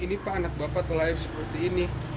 ini pak anak bapak telahir seperti ini